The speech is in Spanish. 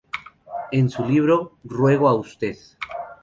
En su libro "“Ruego a Ud.